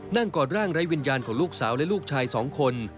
กอดร่างไร้วิญญาณของลูกสาวและลูกชาย๒คน